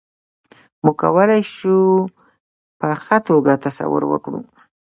موږ کولای شو په ښه توګه تصور وکړو.